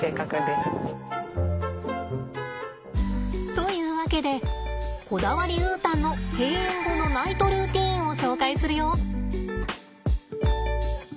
というわけでこだわりウータンの閉園後のナイトルーティンを紹介するよ。